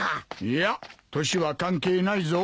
いや年は関係ないぞ。